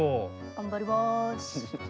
頑張ります。